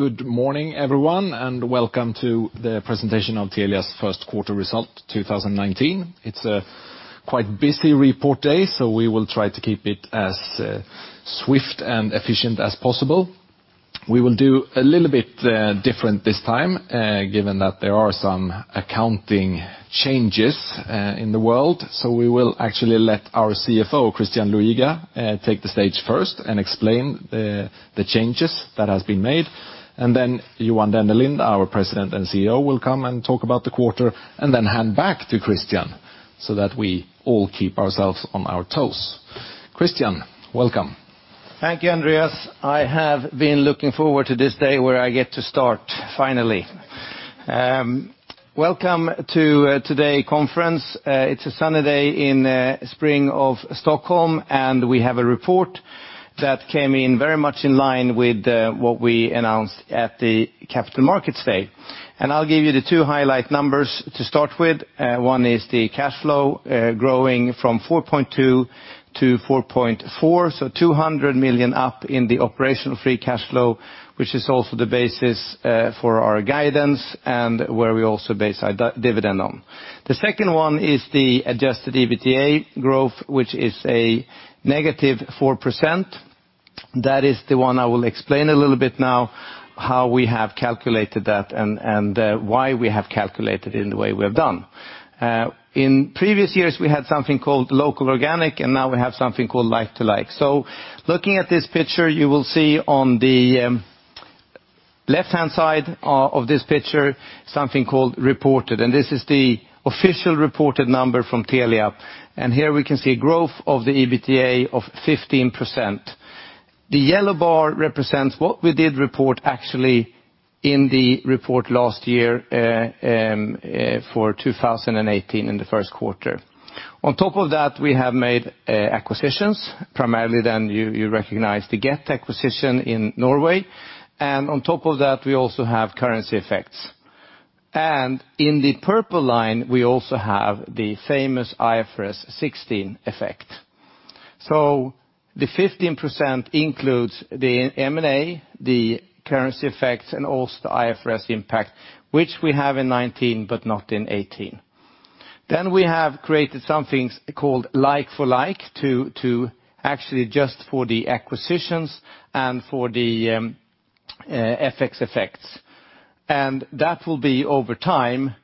Good morning, everyone. Welcome to the presentation of Telia's first quarter result 2019. It is a quite busy report day. We will try to keep it as swift and efficient as possible. We will do a little bit different this time, given that there are some accounting changes in the world. We will actually let our CFO, Christian Luiga, take the stage first and explain the changes that have been made. Johan Dennelind, our President and CEO, will come and talk about the quarter and hand back to Christian so that we all keep ourselves on our toes. Christian, welcome. Thank you, Andreas. I have been looking forward to this day where I get to start, finally. Welcome to today's conference. It is a sunny day in spring of Stockholm. We have a report that came in very much in line with what we announced at the Capital Markets Day. I will give you the two highlight numbers to start with. One is the cash flow growing from 4.2 billion to 4.4 billion. 200 million up in the operational free cash flow, which is also the basis for our guidance and where we also base our dividend on. The second one is the adjusted EBITDA growth, which is a negative 4%. That is the one I will explain a little bit now, how we have calculated that and why we have calculated it in the way we have done. In previous years, we had something called local organic. Now we have something called like-for-like. Looking at this picture, you will see on the left-hand side of this picture something called reported. This is the official reported number from Telia. Here we can see growth of the EBITDA of 15%. The yellow bar represents what we did report actually in the report last year for 2018 in the first quarter. On top of that, we have made acquisitions, primarily you recognize the Get acquisition in Norway. On top of that, we also have currency effects. In the purple line, we also have the famous IFRS 16 effect. The 15% includes the M&A, the currency effects, and also the IFRS impact, which we have in 2019, but not in 2018. We have created something called like-for-like to actually adjust for the acquisitions and for the FX effects. That will be, over time,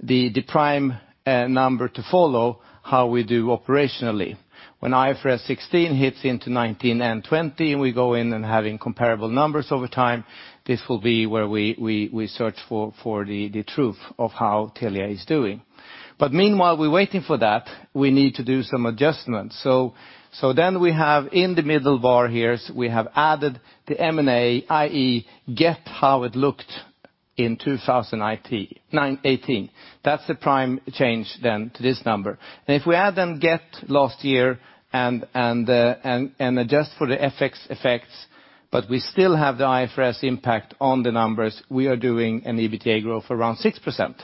the prime number to follow how we do operationally. When IFRS 16 hits into 2019 and 2020, we go in and having comparable numbers over time. This will be where we search for the truth of how Telia is doing. Meanwhile, we are waiting for that. We need to do some adjustments. We have in the middle bar here, we have added the M&A, i.e. Get how it looked in 2018. That is the prime change to this number. If we add Get last year and adjust for the FX effects, but we still have the IFRS impact on the numbers, we are doing an EBITDA growth of around 6%.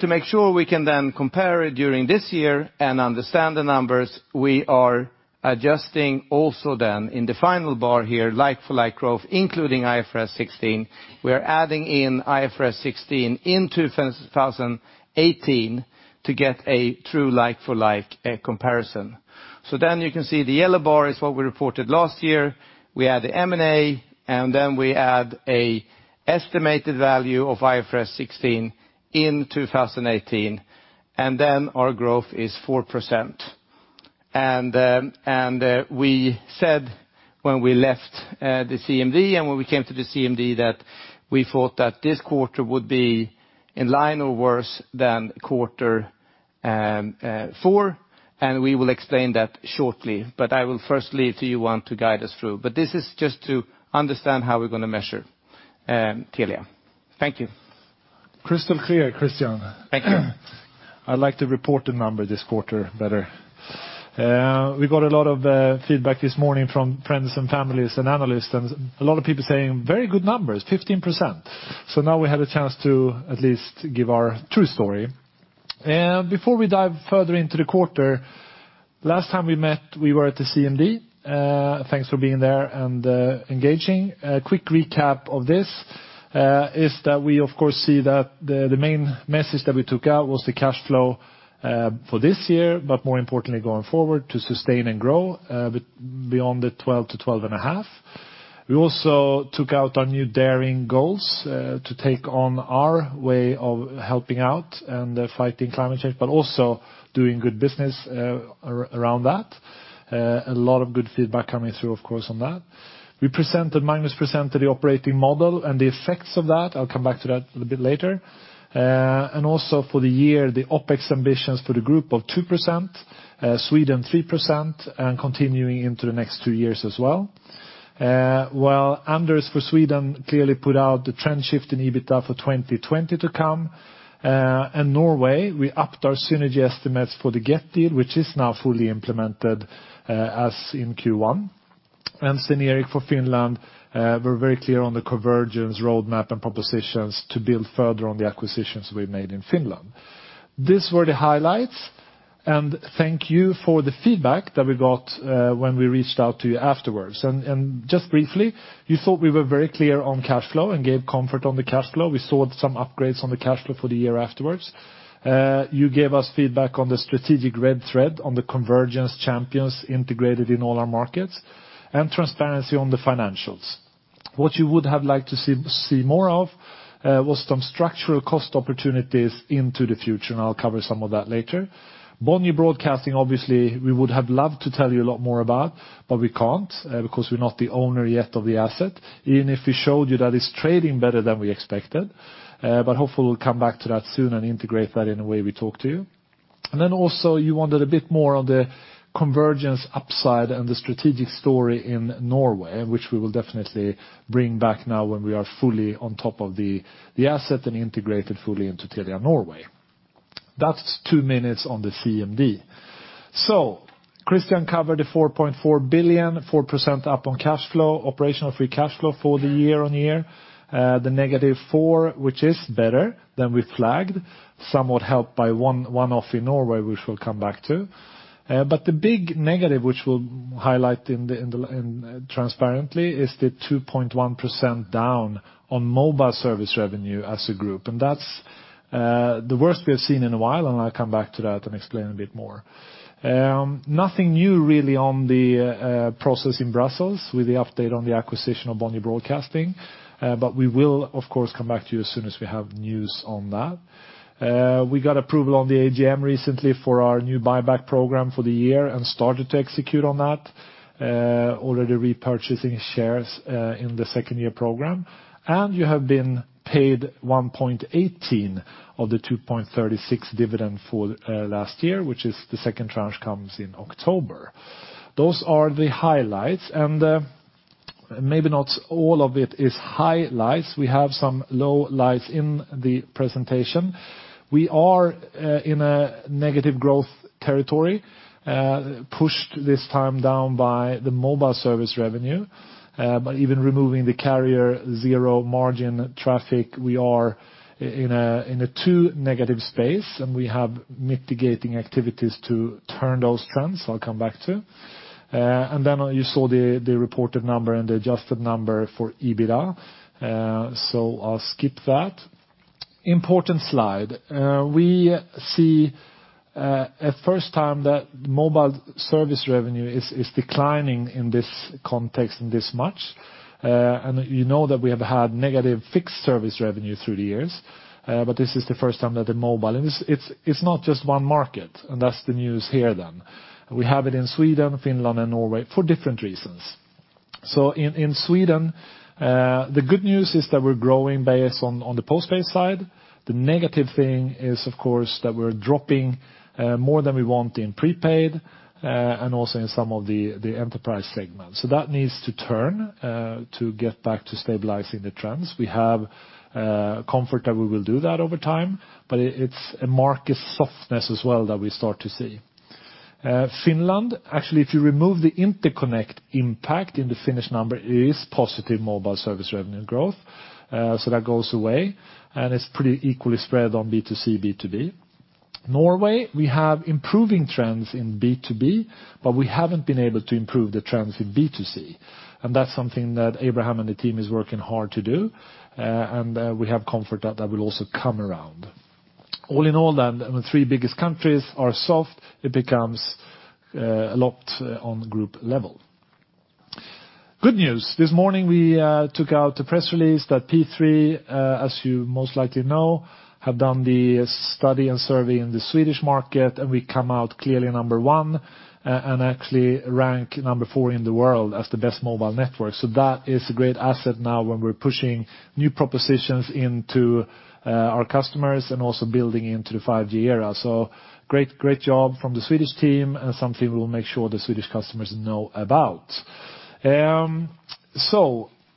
To make sure we can then compare it during this year and understand the numbers, we are adjusting also then in the final bar here, like-for-like growth, including IFRS 16. We are adding in IFRS 16 in 2018 to get a true like-for-like comparison. You can see the yellow bar is what we reported last year. We add the M&A, and then we add an estimated value of IFRS 16 in 2018, and our growth is 4%. We said when we left the CMD and when we came to the CMD that we thought that this quarter would be in line or worse than quarter four, and we will explain that shortly. I will first leave to Johan to guide us through. This is just to understand how we're going to measure Telia. Thank you. Crystal clear, Christian. Thank you. I like to report the number this quarter better. We got a lot of feedback this morning from friends and families and analysts, a lot of people saying very good numbers, 15%. Now we have a chance to at least give our true story. Before we dive further into the quarter, last time we met, we were at the CMD. Thanks for being there and engaging. A quick recap of this is that we of course see that the main message that we took out was the cash flow for this year, but more importantly, going forward to sustain and grow beyond the 12 to 12 and a half. We also took out our new daring goals to take on our way of helping out and fighting climate change, but also doing good business around that. A lot of good feedback coming through, of course, on that. We presented the operating model and the effects of that. I'll come back to that a little bit later. Also for the year, the OpEx ambitions for the group of 2%, Sweden 3%, and continuing into the next 2 years as well. While Anders for Sweden clearly put out the trend shift in EBITDA for 2020 to come, Norway, we upped our synergy estimates for the Get deal, which is now fully implemented as in Q1. Synergy for Finland, we're very clear on the convergence roadmap and propositions to build further on the acquisitions we've made in Finland. These were the highlights. Thank you for the feedback that we got when we reached out to you afterwards. Just briefly, you thought we were very clear on cash flow and gave comfort on the cash flow. We saw some upgrades on the cash flow for the year afterwards. You gave us feedback on the strategic red thread on the convergence champions integrated in all our markets and transparency on the financials. What you would have liked to see more of was some structural cost opportunities into the future. I'll cover some of that later. Bonnier Broadcasting, obviously, we would have loved to tell you a lot more about, we can't because we're not the owner yet of the asset, even if we showed you that it's trading better than we expected. Hopefully, we'll come back to that soon and integrate that in the way we talk to you. Also, you wanted a bit more on the convergence upside and the strategic story in Norway, which we will definitely bring back now when we are fully on top of the asset and integrated fully into Telia Norge. That's 2 minutes on the CMD. Christian covered the 4.4 billion, 4% up on cash flow, operational free cash flow for the year on year. The negative four, which is better than we flagged, somewhat helped by one-off in Norway, which we'll come back to. The big negative, which we'll highlight transparently, is the 2.1% down on mobile service revenue as a group. That's the worst we have seen in a while. I'll come back to that and explain a bit more. Nothing new really on the process in Brussels with the update on the acquisition of Bonnier Broadcasting, we will of course come back to you as soon as we have news on that. We got approval on the AGM recently for our new buyback program for the year and started to execute on that. Already repurchasing shares in the second year program. You have been paid 1.18 of the 2.36 dividend for last year, which is the second tranche comes in October. Those are the highlights. Maybe not all of it is highlights. We have some low lights in the presentation. We are in a negative growth territory, pushed this time down by the mobile service revenue. Even removing the carrier zero margin traffic, we are in a two negative space. We have mitigating activities to turn those trends. I'll come back to. You saw the reported number and the adjusted number for EBITDA, so I'll skip that. Important slide. We see at first time that mobile service revenue is declining in this context this much. You know that we have had negative fixed service revenue through the years. This is the first time that the mobile and it's not just one market, and that's the news here then. We have it in Sweden, Finland, and Norway for different reasons. In Sweden, the good news is that we're growing based on the postpaid side. The negative thing is, of course, that we're dropping more than we want in prepaid, and also in some of the enterprise segments. That needs to turn to get back to stabilizing the trends. We have comfort that we will do that over time, but it's a market softness as well that we start to see. Finland, actually, if you remove the interconnect impact in the Finnish number, it is positive mobile service revenue growth. That goes away, and it's pretty equally spread on B2C, B2B. Norway, we have improving trends in B2B, but we haven't been able to improve the trends in B2C. That's something that Abraham and the team is working hard to do. We have comfort that that will also come around. All in all, the three biggest countries are soft. It becomes a lot on group level. Good news. This morning, we took out a press release that P3, as you most likely know, have done the study and survey in the Swedish market, and we come out clearly number 1 and actually rank number 4 in the world as the best mobile network. That is a great asset now when we're pushing new propositions into our customers and also building into the 5G era. Great job from the Swedish team and something we'll make sure the Swedish customers know about.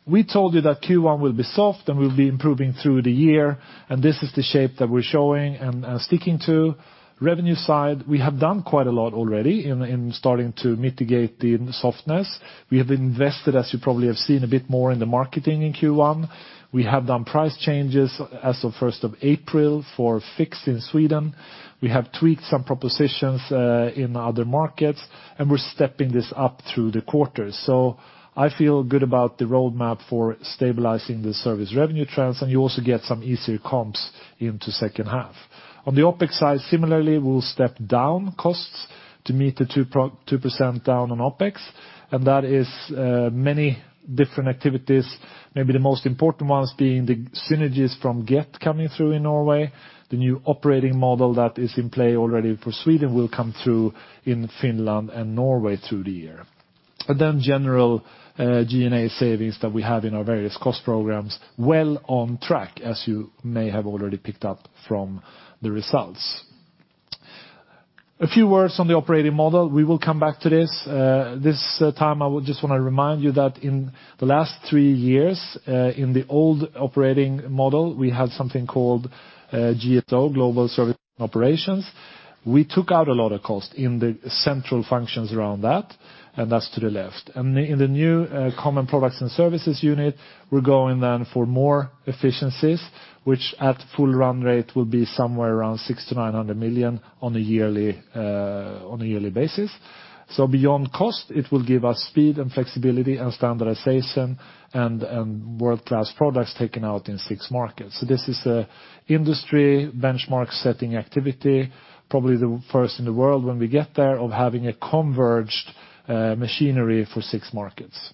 We told you that Q1 will be soft, and we'll be improving through the year, and this is the shape that we're showing and sticking to. Revenue side, we have done quite a lot already in starting to mitigate the softness. We have invested, as you probably have seen, a bit more in the marketing in Q1. We have done price changes as of 1st of April for fixed in Sweden. We have tweaked some propositions in other markets, and we're stepping this up through the quarter. I feel good about the roadmap for stabilizing the service revenue trends, and you also get some easier comps into second half. On the OpEx side, similarly, we'll step down costs to meet the 2% down on OpEx, and that is many different activities. Maybe the most important ones being the synergies from Get coming through in Norway. The new operating model that is in play already for Sweden will come through in Finland and Norway through the year. And then general G&A savings that we have in our various cost programs, well on track as you may have already picked up from the results. A few words on the operating model. We will come back to this. This time, I just want to remind you that in the last three years in the old operating model, we had something called GSO, Global Service Operations. We took out a lot of cost in the central functions around that, and that's to the left. In the new Common Products and Services unit, we're going then for more efficiencies, which at full run rate will be somewhere around 600 million to 900 million on a yearly basis. Beyond cost, it will give us speed and flexibility and standardization and world-class products taken out in six markets. This is an industry benchmark-setting activity, probably the first in the world when we get there, of having a converged machinery for six markets.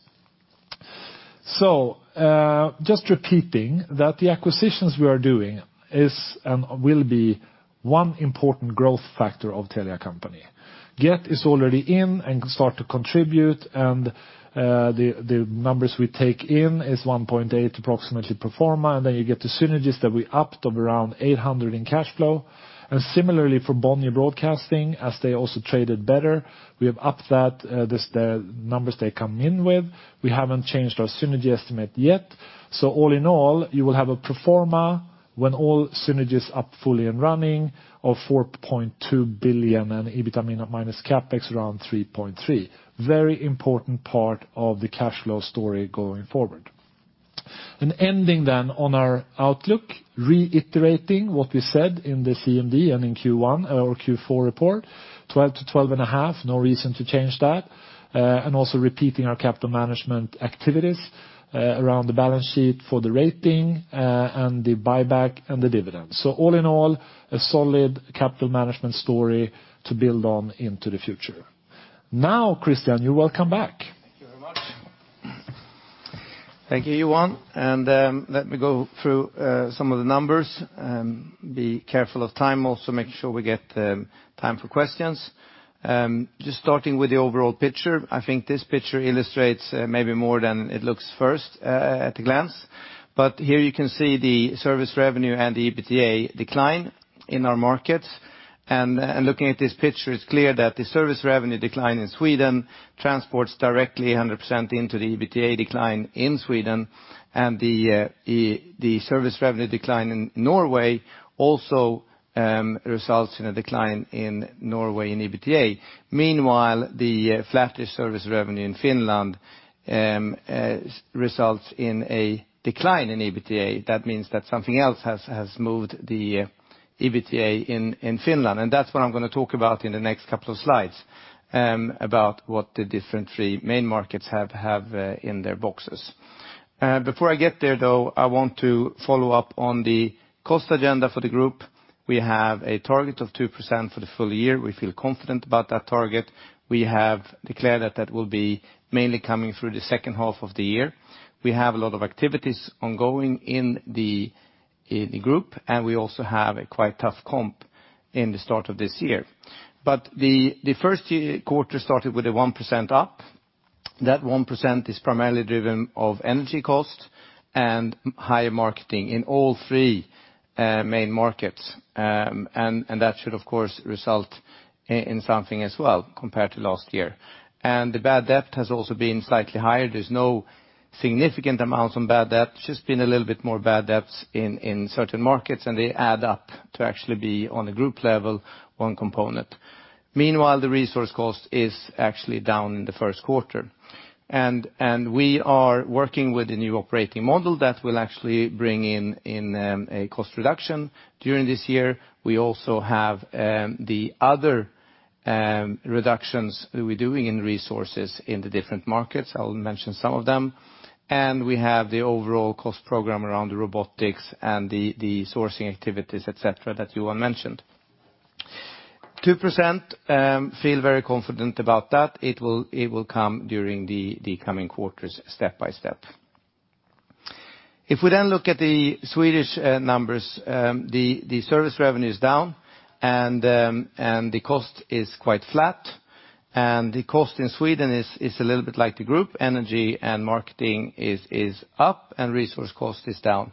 Just repeating that the acquisitions we are doing is and will be one important growth factor of Telia Company. Get is already in and can start to contribute. The numbers we take in is 1.8 approximately pro forma. Then you get the synergies that we upped of around 800 in cash flow. Similarly for Bonnier Broadcasting, as they also traded better, we have upped that, the numbers they come in with. We haven't changed our synergy estimate yet. All in all, you will have a pro forma when all synergies are fully and running of 4.2 billion and EBITA minus CapEx around 3.3. Very important part of the cash flow story going forward. Ending then on our outlook, reiterating what we said in the CMD and in Q4 report, 12 to 12.5. No reason to change that. Also repeating our capital management activities around the balance sheet for the rating and the buyback and the dividends. All in all, a solid capital management story to build on into the future. Now, Christian, you're welcome back. Thank you very much. Thank you, Johan. Let me go through some of the numbers. Be careful of time. Make sure we get time for questions. Just starting with the overall picture. I think this picture illustrates maybe more than it looks first at a glance. Here you can see the service revenue and the EBITDA decline in our markets. Looking at this picture, it's clear that the service revenue decline in Sweden transports directly 100% into the EBITDA decline in Sweden, and the service revenue decline in Norway also results in a decline in Norway in EBITDA. The flattish service revenue in Finland results in a decline in EBITDA. That means that something else has moved the EBITDA in Finland, that's what I'm going to talk about in the next couple of slides about what the different three main markets have in their boxes. Before I get there, though, I want to follow up on the cost agenda for the group. We have a target of 2% for the full year. We feel confident about that target. We have declared that that will be mainly coming through the second half of the year. We have a lot of activities ongoing in the group, we also have a quite tough comp in the start of this year. The first quarter started with a 1% up. That 1% is primarily driven of energy cost and higher marketing in all three main markets. That should of course result in something as well compared to last year. The bad debt has also been slightly higher. There's no significant amounts on bad debt, it's just been a little bit more bad debts in certain markets, they add up to actually be on a group level one component. Meanwhile, the resource cost is actually down in the first quarter. We are working with the new operating model that will actually bring in a cost reduction during this year. We also have the other reductions that we're doing in resources in the different markets. I'll mention some of them. We have the overall cost program around the robotics and the sourcing activities, et cetera, that Johan mentioned. 2%, feel very confident about that. It will come during the coming quarters step by step. If we look at the Swedish numbers, the service revenue is down and the cost is quite flat. The cost in Sweden is a little bit like the group. Energy and marketing is up and resource cost is down.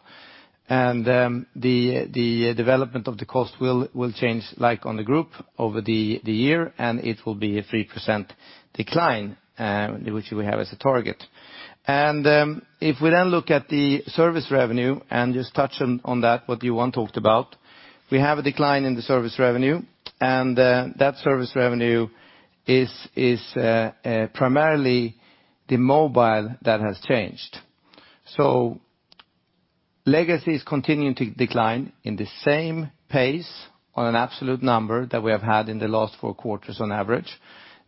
The development of the cost will change like on the group over the year, it will be a 3% decline, which we have as a target. If we look at the service revenue and just touch on that, what Johan talked about, we have a decline in the service revenue, that service revenue is primarily the mobile that has changed. Legacy is continuing to decline in the same pace on an absolute number that we have had in the last four quarters on average.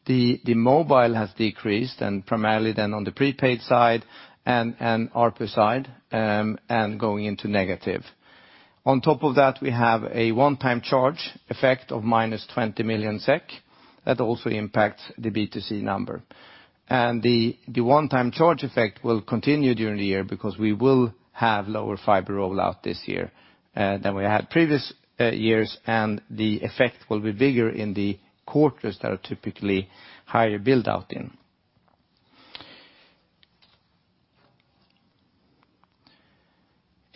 The mobile has decreased and primarily then on the prepaid side and ARPU side, going into negative. On top of that, we have a one-time charge effect of -20 million SEK. That also impacts the B2C number. The one-time charge effect will continue during the year because we will have lower fiber rollout this year than we had previous years, the effect will be bigger in the quarters that are typically higher build-out in.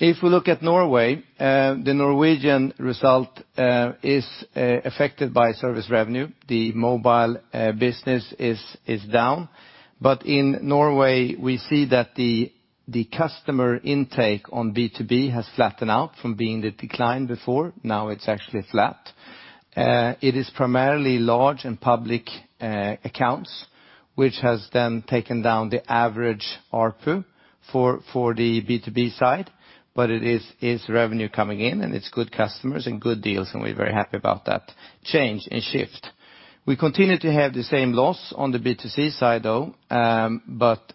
If we look at Norway, the Norwegian result is affected by service revenue. The mobile business is down. In Norway, we see that the customer intake on B2B has flattened out from being the decline before. Now it's actually flat. It is primarily large and public accounts, which has then taken down the average ARPU for the B2B side, but it is revenue coming in, it's good customers and good deals, and we're very happy about that change and shift. We continue to have the same loss on the B2C side, though.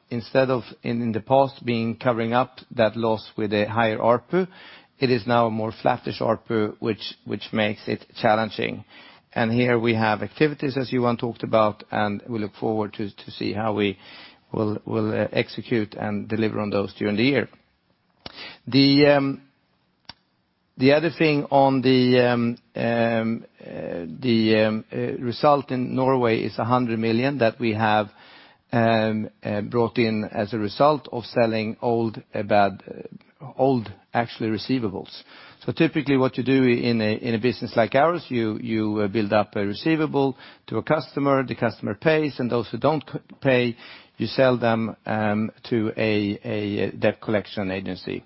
Instead of, in the past, covering up that loss with a higher ARPU, it is now a more flattish ARPU, which makes it challenging. Here we have activities, as Johan talked about, and we look forward to see how we will execute and deliver on those during the year. The other thing on the result in Norway is 100 million that we have brought in as a result of selling old actually receivables. Typically what you do in a business like ours, you build up a receivable to a customer, the customer pays, and those who do not pay, you sell them to a debt collection agency.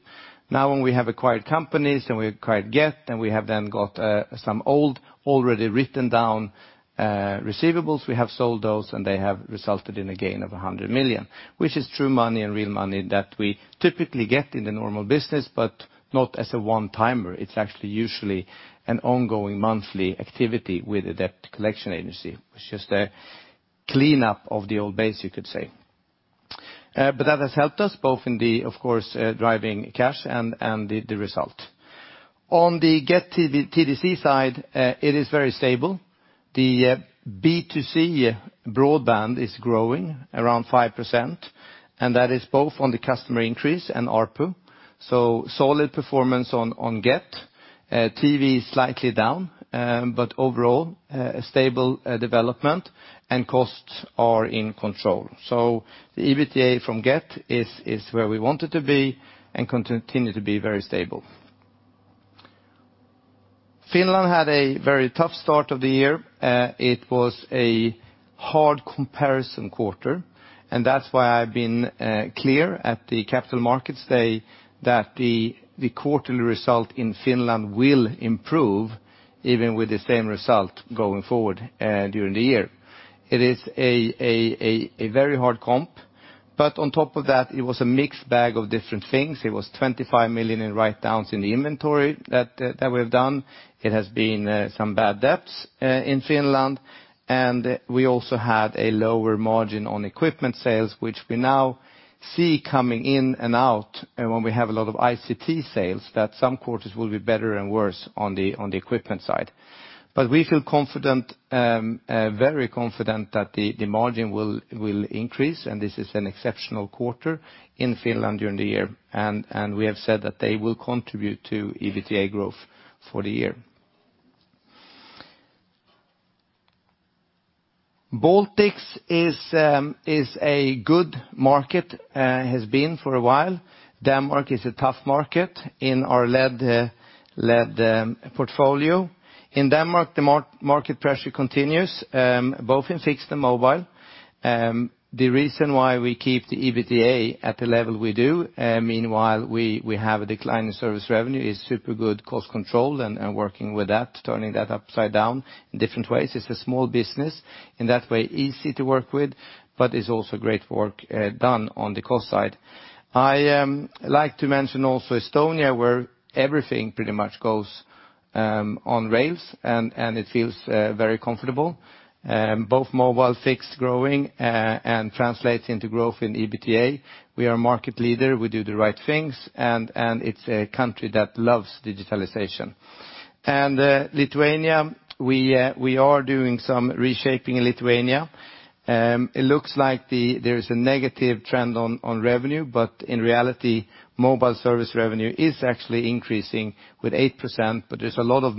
When we have acquired companies, and we acquired Get, and we have then got some old, already written down receivables. We have sold those, they have resulted in a gain of 100 million, which is true money and real money that we typically get in the normal business, but not as a one-timer. It's actually usually an ongoing monthly activity with a debt collection agency. It's just a cleanup of the old base, you could say. That has helped us both in the, of course, driving cash and the result. On the Get TDC side, it is very stable. The B2C broadband is growing around 5%, and that is both on the customer increase and ARPU. Solid performance on Get. TV is slightly down, overall, a stable development and costs are in control. The EBITDA from Get is where we want it to be and continue to be very stable. Finland had a very tough start of the year. It was a hard comparison quarter, that's why I've been clear at the Capital Markets Day that the quarterly result in Finland will improve, even with the same result going forward during the year. It is a very hard comp. On top of that, it was a mixed bag of different things. It was 25 million in write-downs in the inventory that we have done. It has been some bad debts in Finland, and we also had a lower margin on equipment sales, which we now see coming in and out when we have a lot of ICT sales that some quarters will be better and worse on the equipment side. We feel confident, very confident, that the margin will increase, and this is an exceptional quarter in Finland during the year, and we have said that they will contribute to EBITDA growth for the year. Baltics is a good market, has been for a while. Denmark is a tough market in our led portfolio. In Denmark, the market pressure continues both in fixed and mobile. The reason why we keep the EBITDA at the level we do, meanwhile, we have a decline in service revenue, is super good cost control and working with that, turning that upside down in different ways. It's a small business. In that way, easy to work with, it's also great work done on the cost side. I like to mention also Estonia, where everything pretty much goes on rails, it feels very comfortable. Both mobile fixed growing translates into growth in EBITDA. We are a market leader, we do the right things, and it's a country that loves digitalization. Lithuania, we are doing some reshaping in Lithuania. It looks like there is a negative trend on revenue, but in reality, mobile service revenue is actually increasing with 8%, but there's a lot of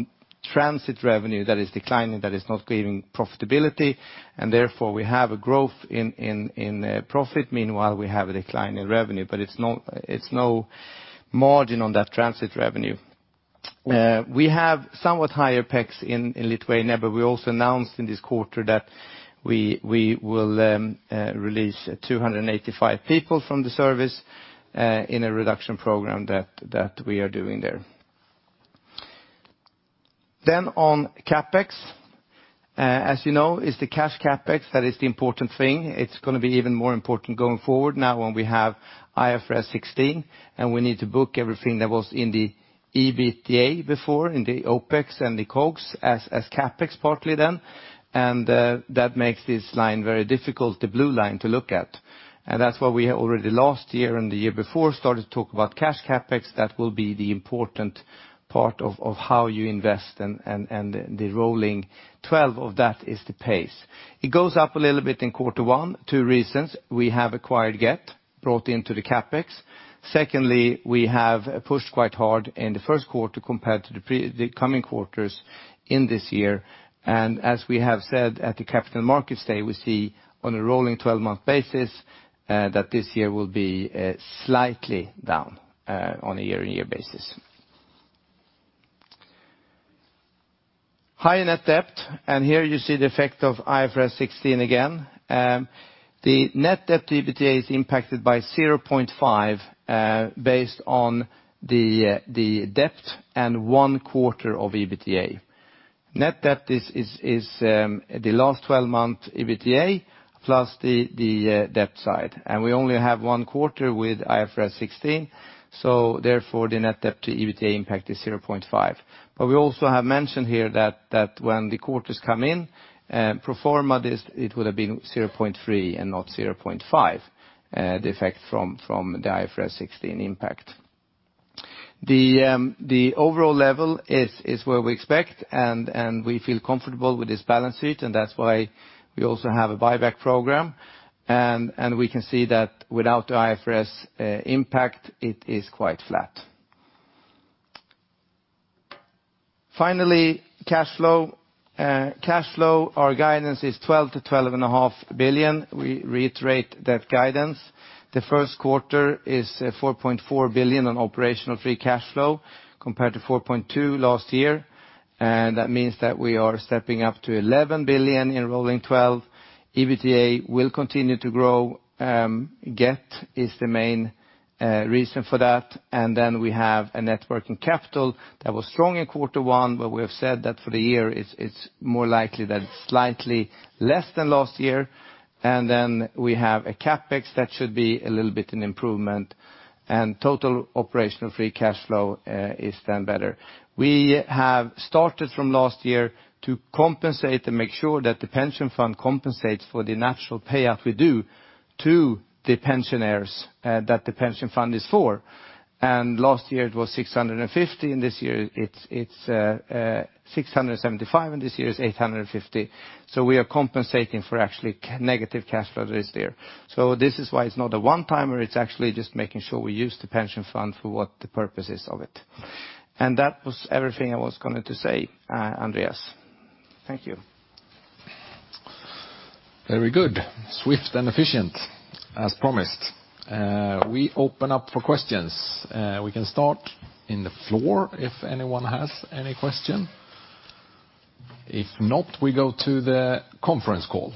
transit revenue that is declining, that is not creating profitability, and therefore, we have a growth in profit. Meanwhile, we have a decline in revenue, but it's no margin on that transit revenue. We have somewhat higher OpEx in Lithuania, but we also announced in this quarter that we will release 285 people from the service in a reduction program that we are doing there. On CapEx. As you know, it's the cash CapEx that is the important thing. It's going to be even more important going forward now when we have IFRS 16, and we need to book everything that was in the EBITDA before in the OpEx and the COGS as CapEx partly then. That makes this line very difficult, the blue line, to look at. That's why we already last year and the year before started to talk about cash CapEx. That will be the important part of how you invest, and the rolling 12 of that is the pace. It goes up a little bit in quarter one. Two reasons. We have acquired Get, brought into the CapEx. Secondly, we have pushed quite hard in the first quarter compared to the coming quarters in this year. As we have said at the Capital Markets Day, we see on a rolling 12-month basis that this year will be slightly down on a year-on-year basis. Higher net debt. Here you see the effect of IFRS 16 again. The net debt to EBITDA is impacted by 0.5 based on the debt and one quarter of EBITDA. Net debt is the last 12-month EBITDA plus the debt side. We only have one quarter with IFRS 16, therefore the net debt to EBITDA impact is 0.5. We also have mentioned here that when the quarters come in, pro forma, it would have been 0.3 and not 0.5, the effect from the IFRS 16 impact. The overall level is where we expect. We feel comfortable with this balance sheet, and that's why we also have a buyback program. We can see that without the IFRS impact, it is quite flat. Finally, cash flow. Cash flow, our guidance is 12 billion-12.5 billion. We reiterate that guidance. The first quarter is 4.4 billion on operational free cash flow compared to 4.2 billion last year. That means that we are stepping up to 11 billion in rolling 12. EBITDA will continue to grow. Get is the main reason for that. We have a net working capital that was strong in quarter one, but we have said that for the year it's more likely that it's slightly less than last year. We have a CapEx that should be a little bit an improvement, and total operational free cash flow is then better. We have started from last year to compensate and make sure that the pension fund compensates for the natural payout we do to the pensioners that the pension fund is for. Last year it was 650 million, and this year it's 675 million, and this year it's 850 million. We are compensating for actually negative cash flow this year. This is why it's not a one-timer, it's actually just making sure we use the pension fund for what the purpose is of it. That was everything I was going to say, Andreas. Thank you. Very good. Swift and efficient as promised. We open up for questions. We can start in the floor if anyone has any question. If not, we go to the conference call.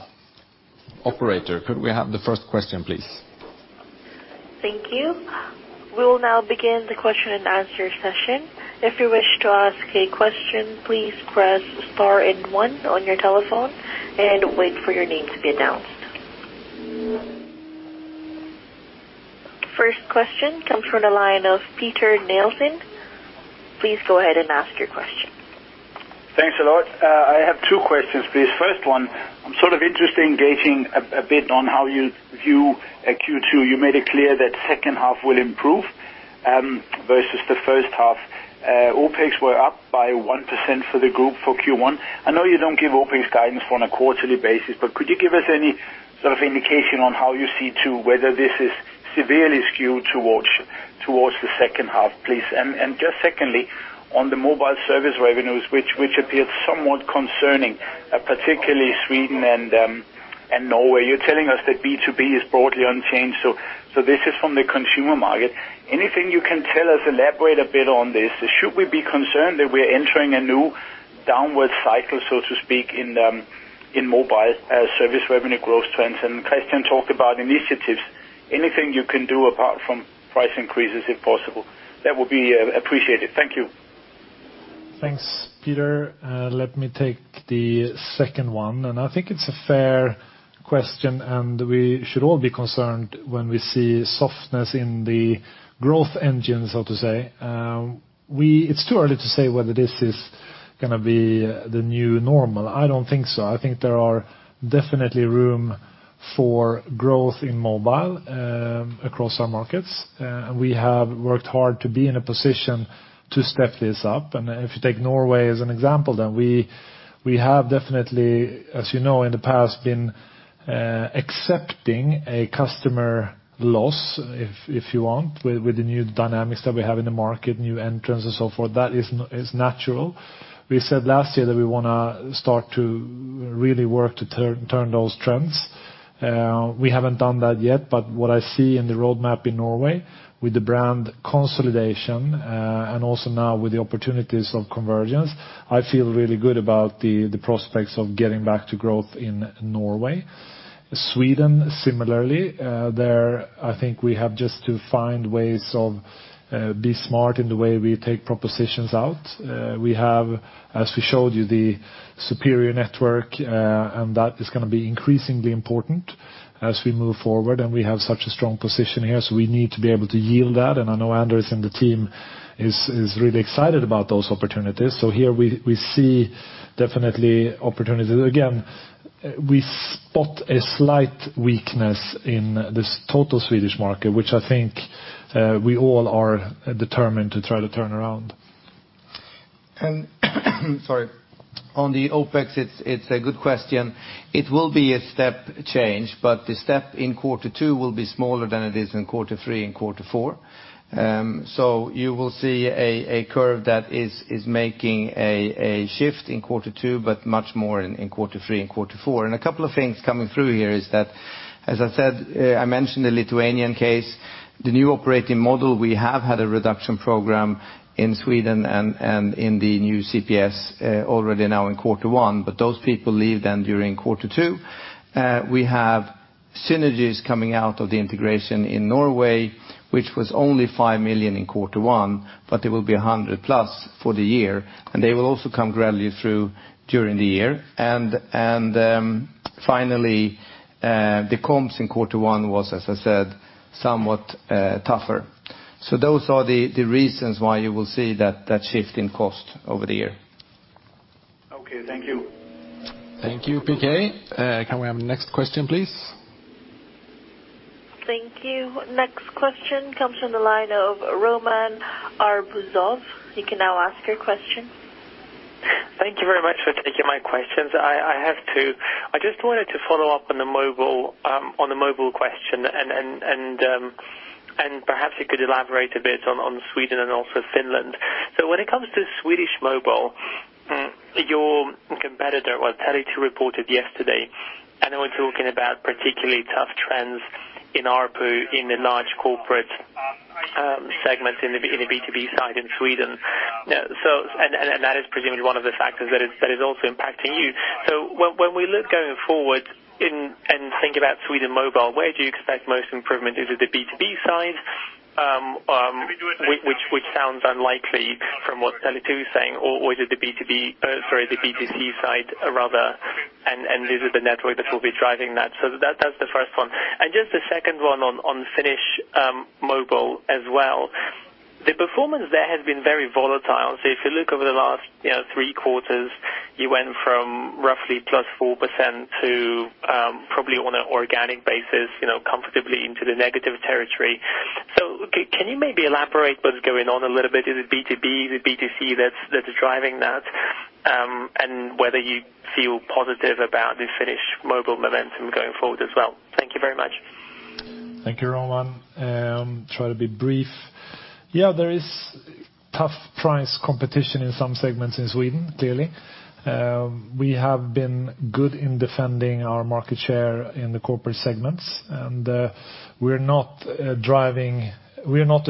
Operator, could we have the first question, please? Thank you. We will now begin the question and answer session. If you wish to ask a question, please press star and one on your telephone and wait for your name to be announced. First question comes from the line of Peter Nielsen. Please go ahead and ask your question. Thanks a lot. I have two questions, please. First one, I am sort of interested in gauging a bit on how you view Q2. You made it clear that second half will improve versus the first half. OpEx were up by 1% for the group for Q1. I know you do not give OpEx guidance on a quarterly basis, but could you give us any sort of indication on how you see Q2, whether this is severely skewed towards the second half, please? Secondly, on the mobile service revenues, which appeared somewhat concerning, particularly Sweden and Norway. You are telling us that B2B is broadly unchanged, so this is from the consumer market. Anything you can tell us, elaborate a bit on this. Should we be concerned that we are entering a new downward cycle, so to speak, in mobile service revenue growth trends? Christian talked about initiatives. Anything you can do apart from price increases, if possible? That would be appreciated. Thank you. Thanks, Peter. Let me take the second one. I think it's a fair question, and we should all be concerned when we see softness in the growth engine, so to say. It's too early to say whether this is going to be the new normal. I don't think so. I think there are definitely room for growth in mobile across our markets. We have worked hard to be in a position to step this up. If you take Norway as an example, then we have definitely, you know, in the past been accepting a customer loss, if you want, with the new dynamics that we have in the market, new entrants and so forth. That is natural. We said last year that we want to start to really work to turn those trends. We haven't done that yet, but what I see in the roadmap in Norway with the brand consolidation, and also now with the opportunities of convergence, I feel really good about the prospects of getting back to growth in Norway. Sweden, similarly. There, I think we have just to find ways of be smart in the way we take propositions out. We have, as we showed you, the superior network, and that is going to be increasingly important as we move forward, and we have such a strong position here, so we need to be able to yield that. I know Anders and the team is really excited about those opportunities. Here we see definitely opportunities. Again, we spot a slight weakness in this total Swedish market, which I think we all are determined to try to turn around. On the OpEx, it's a good question. It will be a step change, but the step in quarter two will be smaller than it is in quarter three and quarter four. You will see a curve that is making a shift in quarter two, but much more in quarter three and quarter four. A couple of things coming through here is that, as I said, I mentioned the Lithuanian case. The new operating model, we have had a reduction program in Sweden and in the new CPS already now in quarter one, but those people leave then during quarter two. We have synergies coming out of the integration in Norway, which was only 5 million in quarter one, but it will be 100 plus for the year, and they will also come gradually through during the year. Finally, the comps in quarter one was, as I said, somewhat tougher. Those are the reasons why you will see that shift in cost over the year. Okay. Thank you. Thank you, Peter. Can we have next question, please? Thank you. Next question comes from the line of Roman Arbuzov. You can now ask your question. Thank you very much for taking my questions. Perhaps you could elaborate a bit on Sweden and also Finland. When it comes to Swedish mobile, your competitor, well, Tele2, reported yesterday, and they were talking about particularly tough trends in ARPU in the large corporate segments in the B2B side in Sweden. That is presumably one of the factors that is also impacting you. When we look going forward and think about Sweden mobile, where do you expect most improvement? Is it the B2B side? Which sounds unlikely from what Tele2 is saying, or is it the B2C side, rather, and this is the network that will be driving that. That's the first one. Just the second one on Finnish mobile as well. The performance there has been very volatile. If you look over the last three quarters, you went from roughly +4% to probably on an organic basis comfortably into the negative territory. Can you maybe elaborate what's going on a little bit? Is it B2B? Is it B2C that's driving that? Whether you feel positive about the Finnish mobile momentum going forward as well. Thank you very much. Thank you, Roman. Try to be brief. There is tough price competition in some segments in Sweden, clearly. We have been good in defending our market share in the corporate segments, and we're not the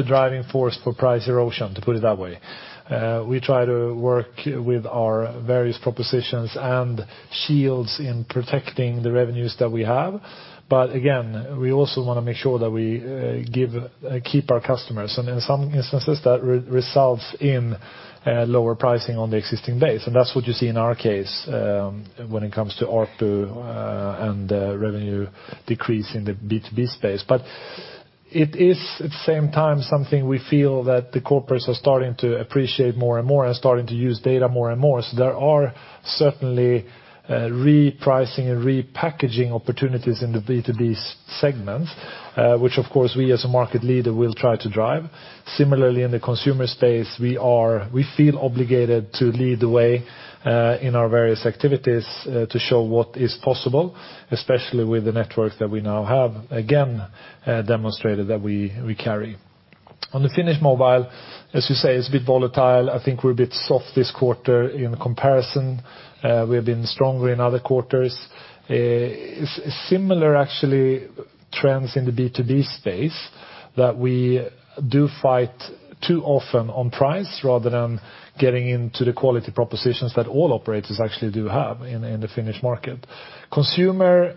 driving force for price erosion, to put it that way. We try to work with our various propositions and shields in protecting the revenues that we have. Again, we also want to make sure that we keep our customers, and in some instances, that results in lower pricing on the existing base. That's what you see in our case when it comes to ARPU and revenue decrease in the B2B space. It is, at the same time, something we feel that the corporates are starting to appreciate more and more and starting to use data more and more. There are certainly repricing and repackaging opportunities in the B2B segment, which of course, we as a market leader will try to drive. Similarly, in the consumer space, we feel obligated to lead the way in our various activities to show what is possible, especially with the networks that we now have, again, demonstrated that we carry. On the Finnish mobile, as you say, it's a bit volatile. I think we're a bit soft this quarter in comparison. We have been stronger in other quarters. Similar actually trends in the B2B space that we do fight too often on price rather than getting into the quality propositions that all operators actually do have in the Finnish market. Consumer,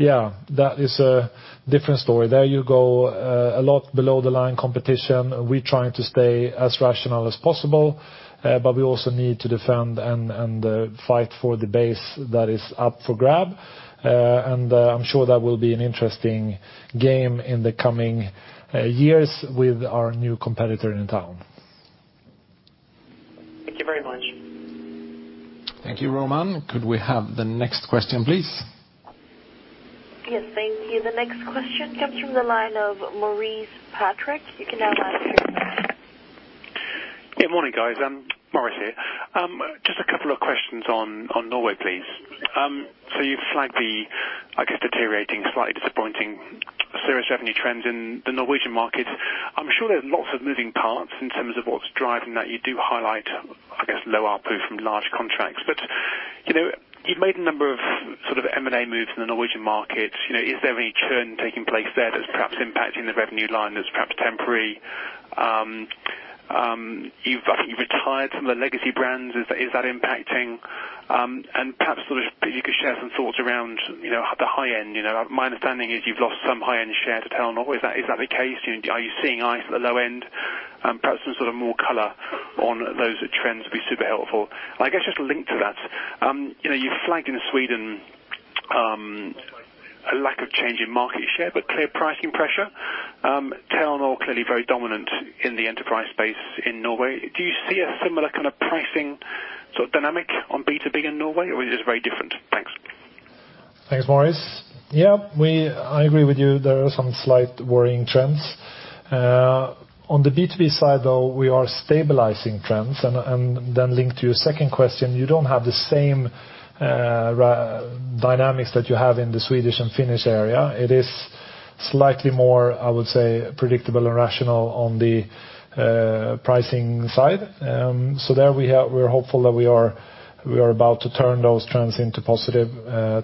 that is a different story. There you go a lot below the line competition. We're trying to stay as rational as possible, but we also need to defend and fight for the base that is up for grab. I'm sure that will be an interesting game in the coming years with our new competitor in town. Thank you very much. Thank you, Roman. Could we have the next question, please? Yes. Thank you. The next question comes from the line of Maurice Patrick. You can now ask your question. Yeah. Morning, guys. Maurice here. Just a couple of questions on Norway, please. You've flagged the, I guess, deteriorating, slightly disappointing service revenue trends in the Norwegian market. I'm sure there are lots of moving parts in terms of what's driving that. You do highlight, I guess, low ARPU from large contracts. You've made a number of sort of M&A moves in the Norwegian market. Is there any churn taking place there that's perhaps impacting the revenue line that's perhaps temporary? You've, I think, retired some of the legacy brands. Is that impacting? Perhaps sort of if you could share some thoughts around the high end. My understanding is you've lost some high-end share to Telenor. Is that the case? Are you seeing ice at the low end? Perhaps some sort of more color on those trends would be super helpful. I guess just linked to that. You've flagged in Sweden a lack of change in market share, but clear pricing pressure. Telenor clearly very dominant in the enterprise space in Norway. Do you see a similar kind of pricing sort of dynamic on B2B in Norway, or is it very different? Thanks. Thanks, Maurice. Yeah. I agree with you. There are some slight worrying trends. On the B2B side, though, we are stabilizing trends. Linked to your second question, you don't have the same dynamics that you have in the Swedish and Finnish area. It is slightly more, I would say, predictable and rational on the pricing side. There we're hopeful that we are about to turn those trends into positive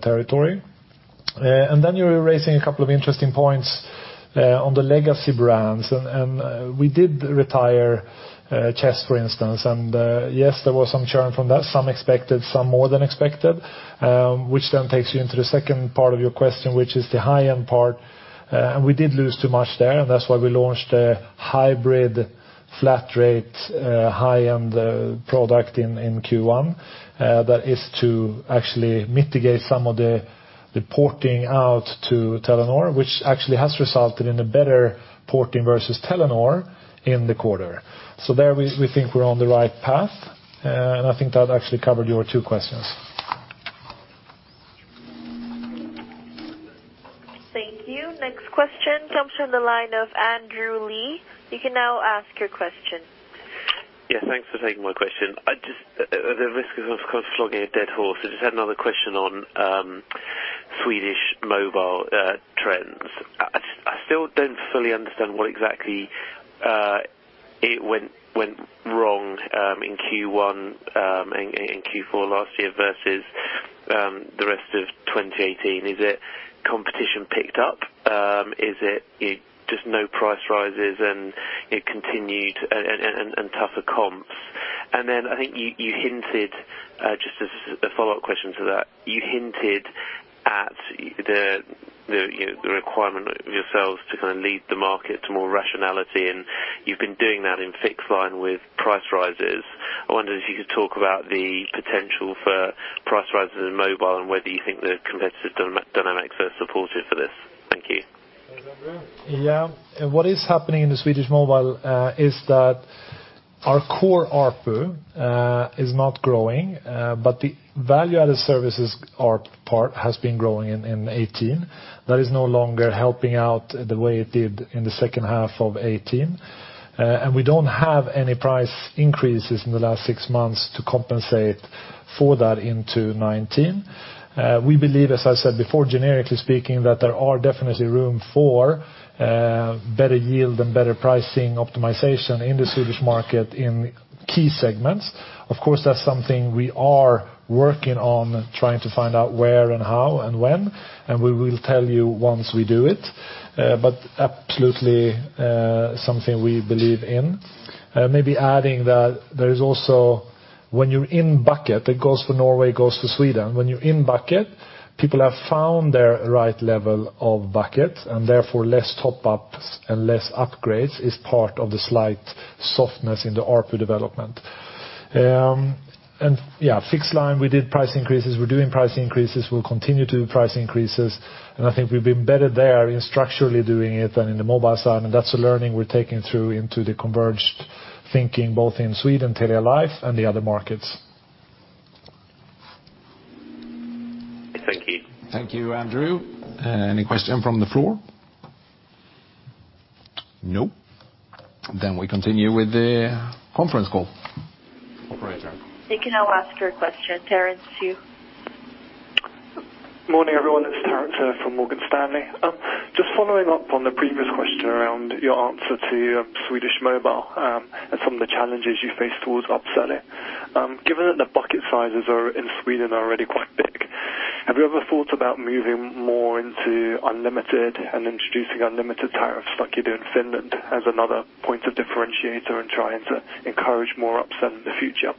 territory. You're raising a couple of interesting points on the legacy brands. We did retire Chess, for instance. Yes, there was some churn from that, some expected, some more than expected, which then takes you into the second part of your question, which is the high-end part. We did lose too much there, and that's why we launched a hybrid flat rate high-end product in Q1. That is to actually mitigate some of the porting out to Telenor, which actually has resulted in a better porting versus Telenor in the quarter. There, we think we're on the right path, and I think that actually covered your two questions. Thank you. Next question comes from the line of Andrew Lee. You can now ask your question. Yeah, thanks for taking my question. At the risk of course, flogging a dead horse, I just had another question on Swedish mobile trends. I still don't fully understand what exactly went wrong in Q1 and Q4 last year versus the rest of 2018. Is it competition picked up? Is it just no price rises and it continued and tougher comps? I think you hinted, just as a follow-up question to that. You hinted at the requirement of yourselves to lead the market to more rationality, and you've been doing that in fixed line with price rises. I wonder if you could talk about the potential for price rises in mobile and whether you think the competitive dynamics are supportive for this. Thank you. Thanks, Andrew. Yeah. What is happening in the Swedish mobile, is that our core ARPU is not growing. The value-added services ARPU part has been growing in 2018. That is no longer helping out the way it did in the second half of 2018. We don't have any price increases in the last six months to compensate for that into 2019. We believe, as I said before, generically speaking, that there are definitely room for better yield and better pricing optimization in the Swedish market in key segments. Of course, that's something we are working on, trying to find out where and how and when, and we will tell you once we do it. Absolutely, something we believe in. Maybe adding that there is also when you're in bucket, that goes for Norway, goes to Sweden. When you're in bucket, people have found their right level of bucket, and therefore less top-ups and less upgrades is part of the slight softness in the ARPU development. Yeah, fixed line, we did price increases. We're doing price increases. We'll continue to do price increases. I think we've been better there in structurally doing it than in the mobile side. That's a learning we're taking through into the converged thinking, both in Sweden, Telia life and the other markets. Thank you. Thank you, Andrew. Any question from the floor? Nope. We continue with the conference call. You can now ask your question. Terence Tsui. Morning, everyone. It's Terence Tsui from Morgan Stanley. Just following up on the previous question around your answer to Swedish mobile, and some of the challenges you face towards upselling. Given that the bucket sizes in Sweden are already quite big, have you ever thought about moving more into unlimited and introducing unlimited tariffs like you do in Finland as another point of differentiator and trying to encourage more upsell in the future?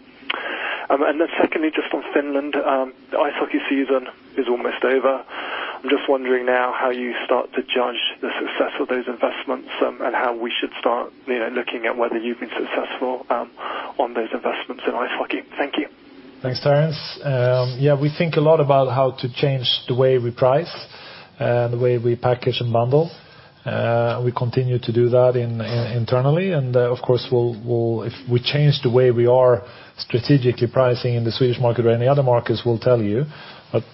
Secondly, just on Finland. The ice hockey season is almost over. I'm just wondering now how you start to judge the success of those investments and how we should start looking at whether you've been successful on those investments in ice hockey. Thank you. Thanks, Terence. We think a lot about how to change the way we price and the way we package and bundle. We continue to do that internally, and of course, if we change the way we are strategically pricing in the Swedish market or any other markets, we'll tell you.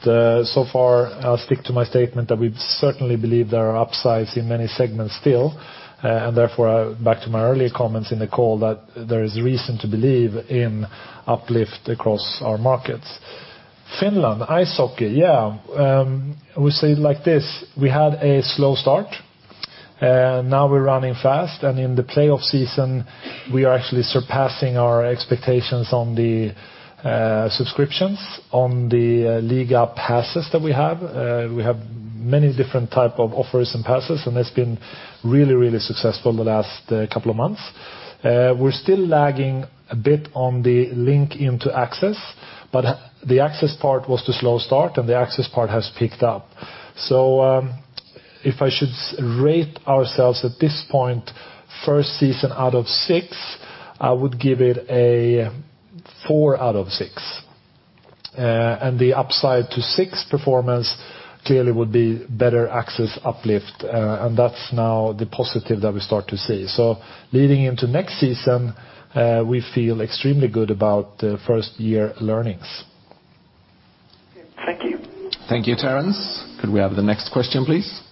So far, I'll stick to my statement that we certainly believe there are upsides in many segments still, and therefore back to my earlier comments in the call that there is reason to believe in uplift across our markets. Finland, ice hockey. We say it like this. We had a slow start. Now we're running fast. In the playoff season, we are actually surpassing our expectations on the subscriptions on the Liiga passes that we have. We have many different type of offers and passes, and that's been really successful in the last couple of months. We're still lagging a bit on the link into access, the access part was the slow start, and the access part has picked up. If I should rate ourselves at this point, first season out of six, I would give it a four out of six. The upside to six performance clearly would be better access uplift, and that's now the positive that we start to see. Leading into next season, we feel extremely good about first-year learnings. Thank you. Thank you, Terence. Could we have the next question, please?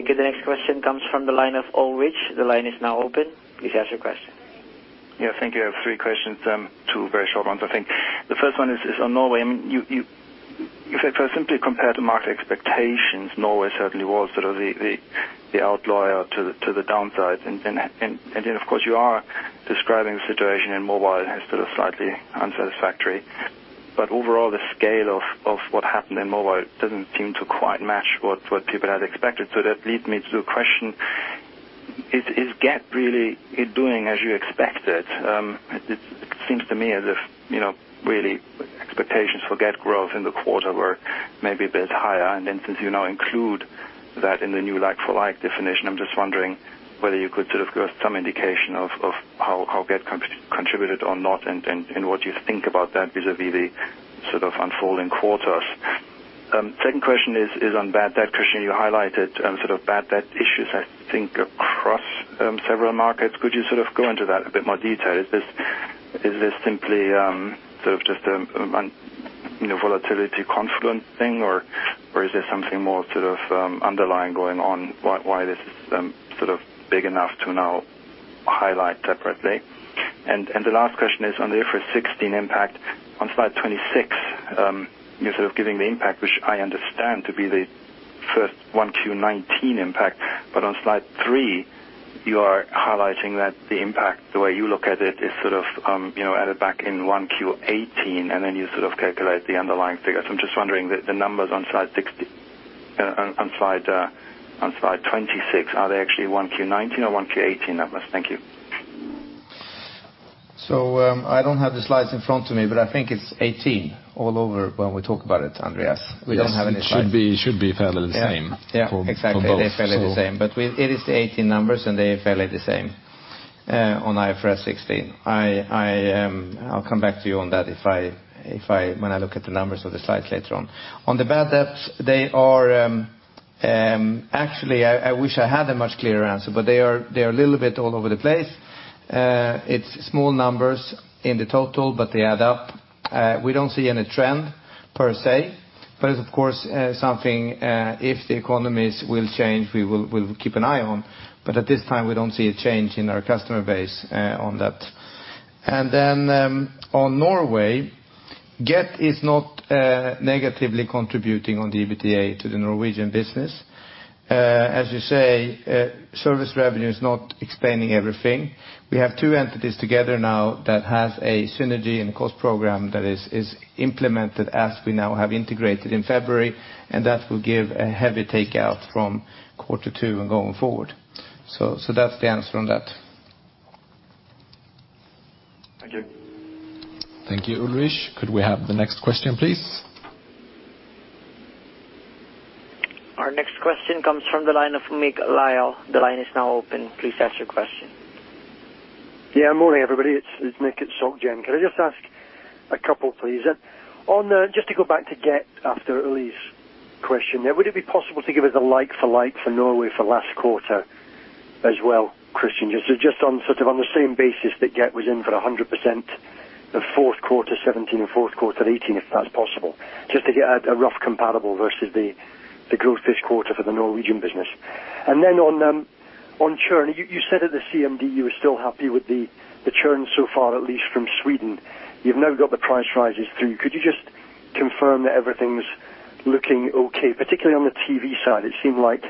Thank you. The next question comes from the line of Ulrich. The line is now open. Please ask your question. Yeah, thank you. I have three questions, two very short ones, I think. If I simply compare the market expectations, Norway certainly was the outlier to the downside. Then, of course, you are describing the situation in mobile as slightly unsatisfactory. Overall, the scale of what happened in mobile doesn't seem to quite match what people had expected. That leads me to the question, is Get really doing as you expected? It seems to me as if really expectations for Get growth in the quarter were maybe a bit higher. Since you now include that in the new like-for-like definition, I'm just wondering whether you could give us some indication of how Get contributed or not and what you think about that vis-a-vis the unfolding quarters. Second question is on bad debt. Christian, you highlighted bad debt issues, I think, across several markets. Could you go into that in a bit more detail? Is this simply just a volatility confluence thing, or is there something more underlying going on why this is big enough to now highlight separately? The last question is on the IFRS 16 impact on slide 26. You're giving the impact, which I understand to be the first one Q 2019 impact. On slide three, you are highlighting that the impact, the way you look at it, is added back in one Q 2018, then you calculate the underlying figures. I'm just wondering, the numbers on slide 26, are they actually one Q 2019 or one Q 2018 numbers? Thank you. I don't have the slides in front of me, I think it's 2018 all over when we talk about it, Andreas. We don't have any slides. Yes. It should be fairly the same for both. Yeah, exactly. They're fairly the same, but it is the 18 numbers, and they are fairly the same on IFRS 16. I'll come back to you on that when I look at the numbers on the slides later on. On the bad debts, actually, I wish I had a much clearer answer, but they are a little bit all over the place. It's small numbers in the total, but they add up. We don't see any trend per se, but it's of course something, if the economies will change, we will keep an eye on. But at this time, we don't see a change in our customer base on that. On Norway, Get is not negatively contributing on the EBITDA to the Norwegian business. As you say, service revenue is not explaining everything. We have two entities together now that have a synergy and cost program that is implemented as we now have integrated in February, and that will give a heavy takeout from quarter two and going forward. That's the answer on that. Thank you. Thank you, Ulrich. Could we have the next question, please? Our next question comes from the line of Nick Lyall. The line is now open. Please ask your question. Yeah, morning, everybody. It's Nick at SocGen. Could I just ask a couple, please? Just to go back to Get after Ulrich question there, would it be possible to give us a like-for-like for Norway for last quarter as well, Christian? Just on the same basis that Get was in for 100% of fourth quarter 2017 and fourth quarter 2018, if that's possible, just to get a rough comparable versus the growth this quarter for the Norwegian business. Then on churn, you said at the CMD you were still happy with the churn so far, at least from Sweden. You've now got the price rises through. Could you just confirm that everything's looking okay, particularly on the TV side? It seemed like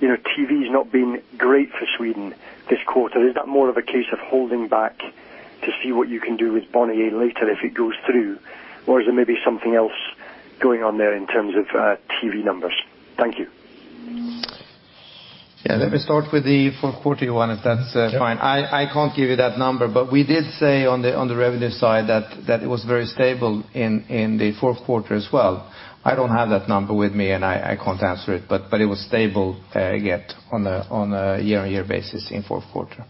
TV's not been great for Sweden this quarter. Is that more of a case of holding back to see what you can do with Bonnier later if it goes through, or is there maybe something else going on there in terms of TV numbers? Thank you. Yeah. Let me start with the fourth quarter one, if that's fine. Yeah. I can't give you that number, but we did say on the revenue side that it was very stable in the fourth quarter as well. I don't have that number with me, and I can't answer it. It was stable Get on a year-on-year basis in fourth quarter.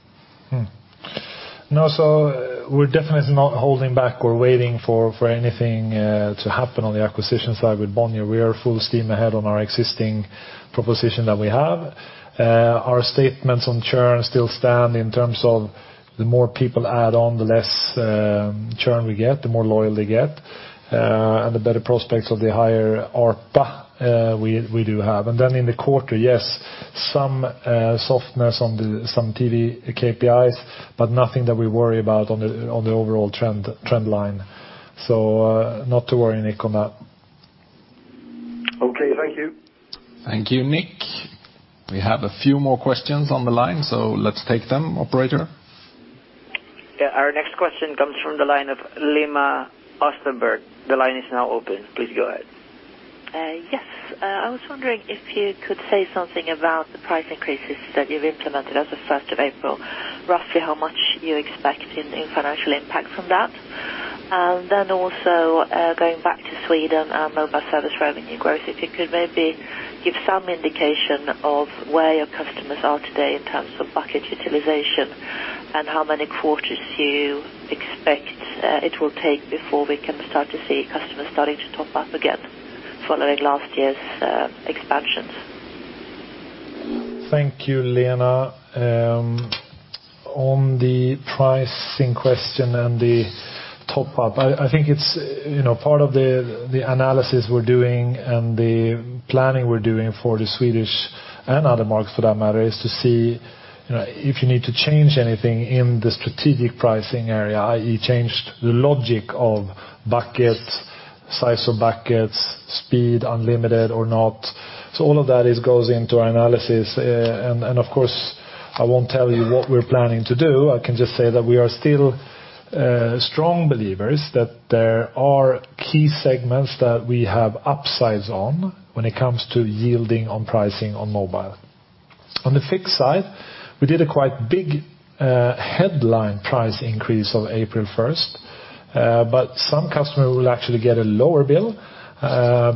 No. We're definitely not holding back or waiting for anything to happen on the acquisition side with Bonnier. We are full steam ahead on our existing proposition that we have. Our statements on churn still stand in terms of the more people add on, the less churn we get, the more loyal they get, and the better prospects of the higher ARPA we do have. In the quarter, yes, some softness on some TV KPIs, but nothing that we worry about on the overall trend line. Not to worry, Nick, on that. Okay, thank you. Thank you, Nick. We have a few more questions on the line, so let's take them, operator. Yeah, our next question comes from the line of Lena Österberg. The line is now open. Please go ahead. Yes. I was wondering if you could say something about the price increases that you've implemented as of 1st of April, roughly how much you expect in financial impact from that. Then also, going back to Sweden and mobile service revenue growth, if you could maybe give some indication of where your customers are today in terms of bucket utilization and how many quarters you expect it will take before we can start to see customers starting to top up again following last year's expansions. Thank you, Lena. On the pricing question and the top-up, I think it's part of the analysis we're doing and the planning we're doing for the Swedish and other markets, for that matter, is to see if you need to change anything in the strategic pricing area, i.e., change the logic of buckets, size of buckets, speed unlimited or not. All of that goes into our analysis. Of course, I won't tell you what we're planning to do. I can just say that we are still strong believers that there are key segments that we have upsides on when it comes to yielding on pricing on mobile. On the fixed side, we did a quite big headline price increase on April 1st, but some customers will actually get a lower bill,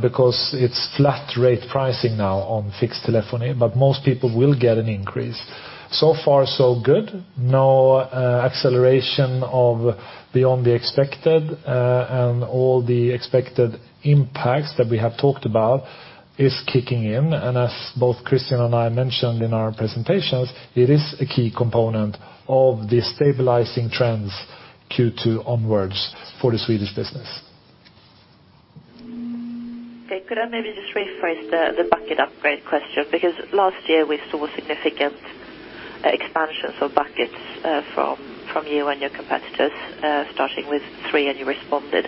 because it's flat rate pricing now on fixed telephony, but most people will get an increase. So far, so good. No acceleration beyond the expected, and all the expected impacts that we have talked about is kicking in, and as both Christian and I mentioned in our presentations, it is a key component of the stabilizing trends Q2 onwards for the Swedish business. Okay. Could I maybe just rephrase the bucket upgrade question, because last year we saw significant expansions of buckets from you and your competitors, starting with Three, and you responded.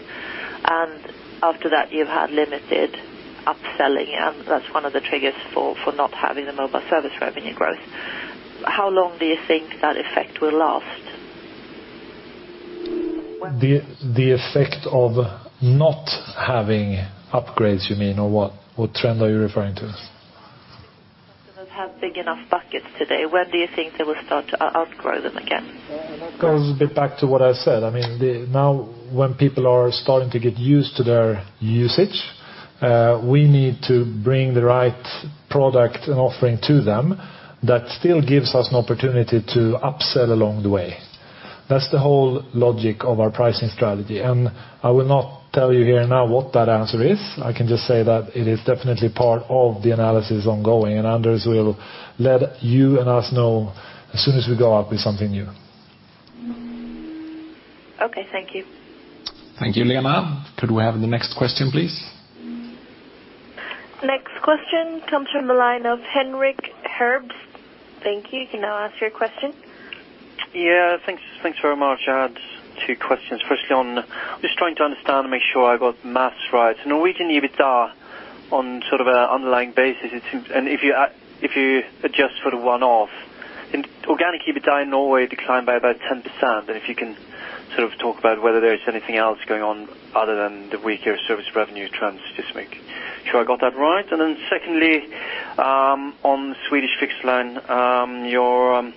After that, you've had limited upselling, and that's one of the triggers for not having the mobile service revenue growth. How long do you think that effect will last? The effect of not having upgrades, you mean, or what trend are you referring to? Customers have big enough buckets today. When do you think they will start to outgrow them again? Goes a bit back to what I said. Now when people are starting to get used to their usage, we need to bring the right product and offering to them that still gives us an opportunity to upsell along the way. That's the whole logic of our pricing strategy. I will not tell you here now what that answer is. I can just say that it is definitely part of the analysis ongoing, and Anders will let you and us know as soon as we go out with something new. Okay, thank you. Thank you, Lena. Could we have the next question, please? Next question comes from the line of Henrik Herbst. Thank you. You can now ask your question. Yeah. Thanks very much. I had two questions. Firstly on, just trying to understand and make sure I got the maths right. Norwegian EBITDA on sort of a underlying basis, and if you adjust for the one-off, organic EBITDA in Norway declined by about 10%, and if you can sort of talk about whether there is anything else going on other than the weaker service revenue trends just make sure I got that right. Secondly, on Swedish fixed line, your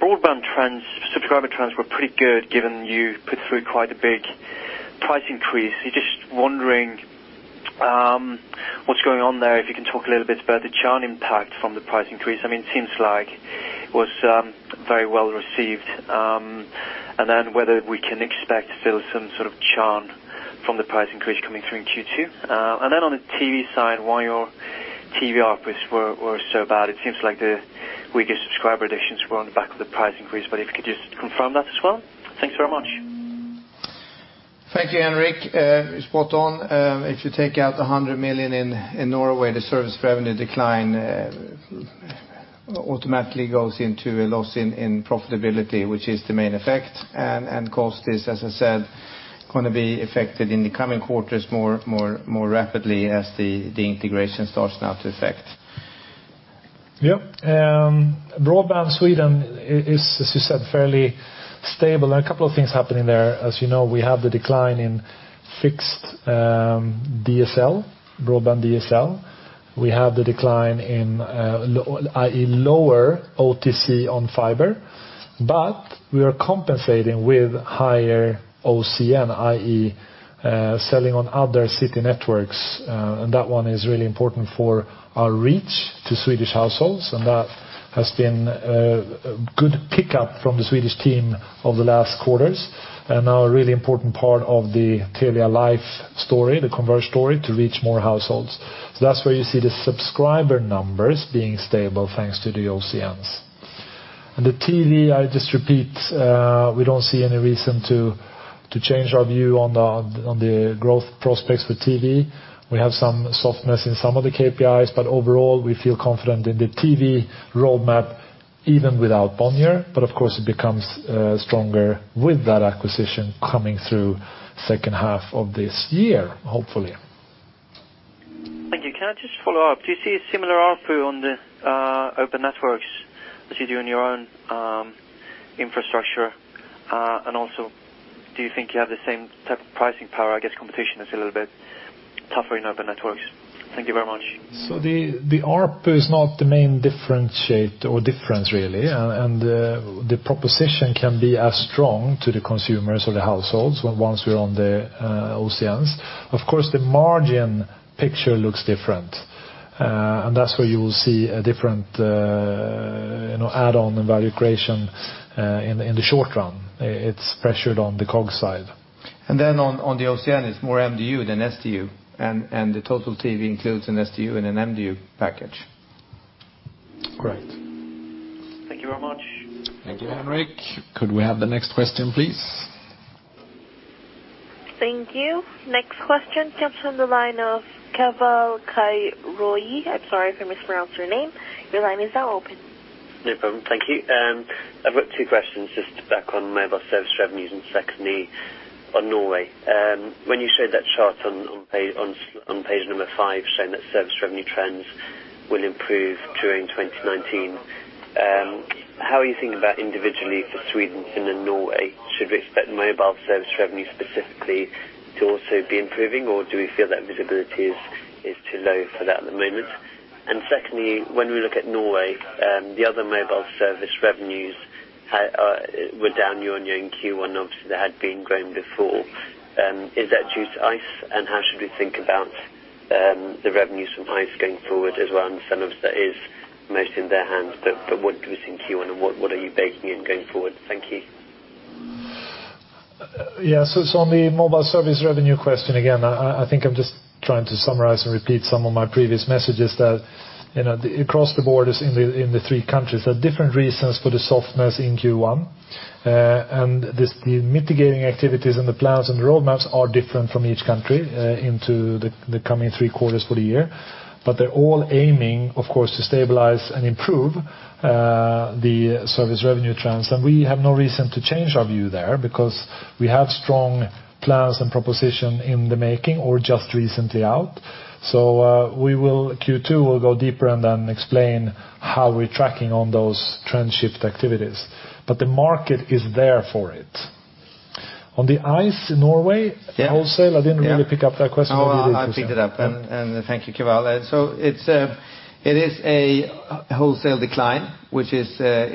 broadband subscriber trends were pretty good given you put through quite a big price increase. I'm just wondering what's going on there. If you can talk a little bit about the churn impact from the price increase. It seems like it was very well received. Whether we can expect still some sort of churn from the price increase coming through in Q2. On the TV side, why your TV ARPU were so bad, it seems like the weaker subscriber additions were on the back of the price increase, if you could just confirm that as well. Thanks very much. Thank you, Henrik. You're spot on. If you take out 100 million in Norway, the service revenue decline automatically goes into a loss in profitability, which is the main effect. Cost is, as I said, going to be affected in the coming quarters more rapidly as the integration starts now to effect. Yep. Broadband Sweden is, as you said, fairly stable. A couple of things happening there. As you know, we have the decline in fixed DSL, broadband DSL. We have the decline in i.e. lower OTC on fiber, we are compensating with higher OCN, i.e. selling on other city networks. That one is really important for our reach to Swedish households, that has been a good pickup from the Swedish team over the last quarters. Now a really important part of the Telia life story, the converged story, to reach more households. That's where you see the subscriber numbers being stable thanks to the OCNs. The TV, I just repeat, we don't see any reason to change our view on the growth prospects for TV. We have some softness in some of the KPIs. Overall, we feel confident in the TV roadmap even without Bonnier. Of course, it becomes stronger with that acquisition coming through second half of this year, hopefully. Thank you. Can I just follow up? Do you see a similar ARPU on the open networks as you do on your own infrastructure? Also, do you think you have the same type of pricing power? I guess competition is a little bit tougher in open networks. Thank you very much. The ARPU is not the main differentiator or difference really. The proposition can be as strong to the consumers or the households once we're on the OCNs. Of course, the margin picture looks different. That's where you will see a different add-on and value creation in the short run. It's pressured on the COGS side. On the OCN, it's more MDU than SDU. The total TV includes an SDU and an MDU package. Correct. Thank you very much. Thank you, Henrik. Could we have the next question, please? Thank you. Next question comes from the line of Keval Khiroya. I am sorry if I mispronounced your name. Your line is now open. No problem. Thank you. I have got two questions just back on mobile service revenues and secondly on Norway. When you showed that chart on page number five showing that service revenue trends will improve during 2019, how are you thinking about individually for Sweden, Finland, Norway? Should we expect mobile service revenue specifically to also be improving, or do we feel that visibility is too low for that at the moment? Secondly, when we look at Norway, the other mobile service revenues were down year-on-year in Q1. Obviously, that had been growing before. Is that due to ice? How should we think about the revenues from ice going forward as well? I understand obviously that is mostly in their hands, but what do we think you want, and what are you baking in going forward? Thank you. Yes. On the mobile service revenue question, again, I think I'm just trying to summarize and repeat some of my previous messages that across the board in the three countries, there are different reasons for the softness in Q1. The mitigating activities and the plans and the roadmaps are different from each country into the coming three quarters for the year. They're all aiming, of course, to stabilize and improve the service revenue trends. We have no reason to change our view there because we have strong plans and proposition in the making or just recently out. Q2 will go deeper and then explain how we're tracking on those trend shift activities. The market is there for it. On the ice in Norway- Yeah. -wholesale, I didn't really pick up that question. I'll pick it up. Yeah. Thank you, Keval. It is a wholesale decline, which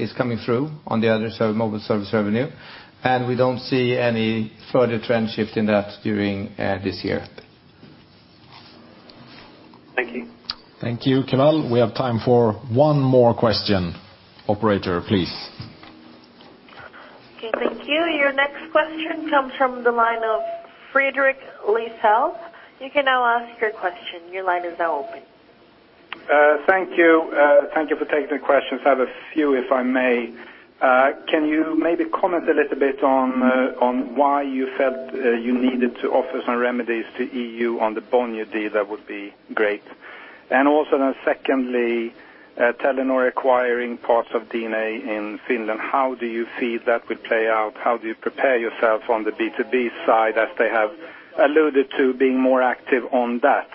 is coming through on the other mobile service revenue, and we don't see any further trend shift in that during this year. Thank you. Thank you, Keval. We have time for one more question. Operator, please. Okay, thank you. Your next question comes from the line of Fredrik Lithell. You can now ask your question. Your line is now open. Thank you for taking the questions. I have a few, if I may. Can you maybe comment a little bit on why you felt you needed to offer some remedies to EU on the Bonnier deal? That would be great. Also then secondly, Telenor acquiring parts of DNA in Finland. How do you feel that would play out? How do you prepare yourself on the B2B side as they have alluded to being more active on that?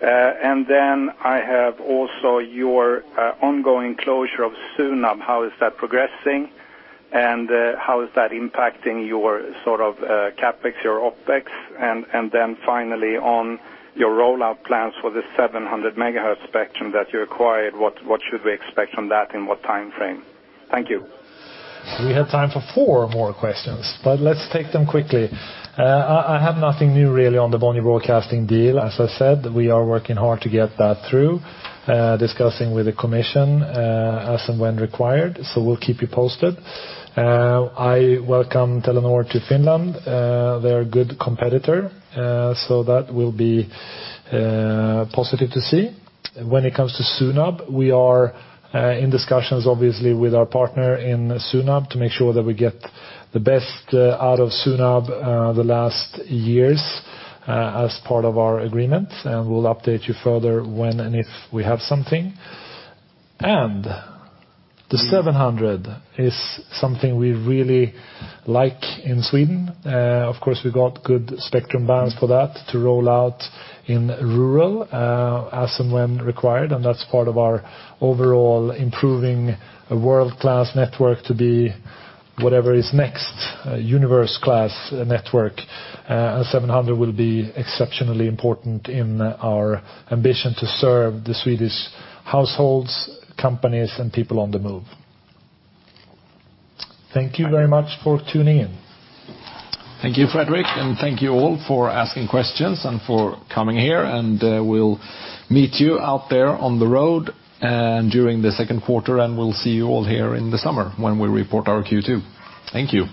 Then I have also your ongoing closure of Sonera, how is that progressing, and how is that impacting your CapEx, your OpEx? Then finally on your rollout plans for the 700 MHz spectrum that you acquired, what should we expect on that, in what timeframe? Thank you. We have time for four more questions, but let's take them quickly. I have nothing new really on the Bonnier Broadcasting deal. As I said, we are working hard to get that through, discussing with the commission, as and when required. We'll keep you posted. I welcome Telenor to Finland. They're a good competitor, so that will be positive to see. When it comes to Sonera, we are in discussions obviously with our partner in Sonera to make sure that we get the best out of Sonera the last years as part of our agreement, and we'll update you further when and if we have something. The 700 is something we really like in Sweden. Of course, we got good spectrum bands for that to roll out in rural, as and when required, and that's part of our overall improving a world-class network to be whatever is next, a universe class network. The 700 will be exceptionally important in our ambition to serve the Swedish households, companies, and people on the move. Thank you very much for tuning in. Thank you, Fredrik, and thank you all for asking questions and for coming here, and we'll meet you out there on the road and during the second quarter, and we'll see you all here in the summer when we report our Q2. Thank you.